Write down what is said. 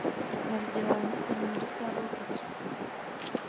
Na vzdělání se mu nedostávalo prostředků.